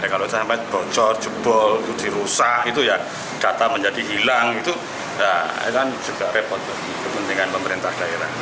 kalau sampai bocor jebol dirusak data menjadi hilang itu juga repot kepentingan pemerintah daerah